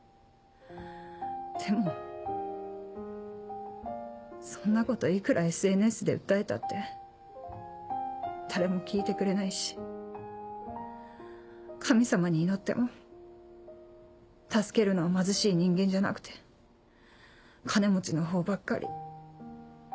でもそんなこといくらＳＮＳで訴えたって誰も聞いてくれないし神様に祈っても助けるのは貧しい人間じゃなくて金持ちのほうばっかり。